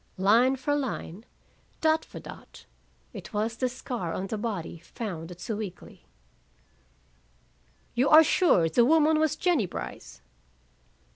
Line for line, dot for dot, it was the scar on the body found at Sewickley. "You are sure the woman was Jennie Brice?"